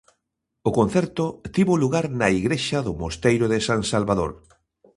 O concerto tivo lugar na igrexa do mosteiro de San Salvador.